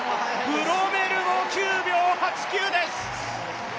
ブロメルも９秒８９です！